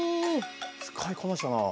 使いこなしたなあ。